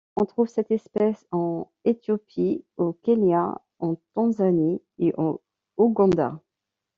On trouve cette espèce en Éthiopie, au Kenya, en Tanzanie et en Ouganda.